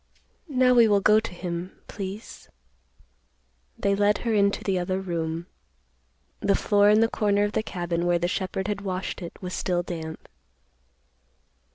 Now, we will go to him, please." They led her into the other room. The floor in the corner of the cabin where the shepherd had washed it was still damp.